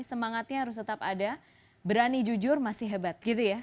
semangatnya harus tetap ada berani jujur masih hebat gitu ya